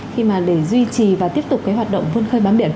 khi mà để duy trì và tiếp tục cái hoạt động vươn khơi bám biển